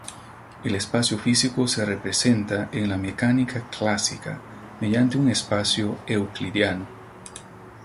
El espacio físico se representa en la mecánica clásica mediante un espacio euclidiano.